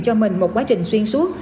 cho mình một quá trình xuyên suốt